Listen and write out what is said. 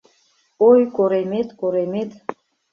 Ой, коремет, коремет